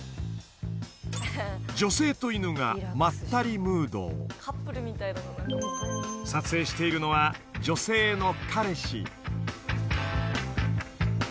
女性と犬がまったりムード撮影しているのは女性の彼氏